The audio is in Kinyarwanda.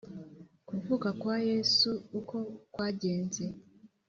Kuvuka kwa Yesu, uko kwagenze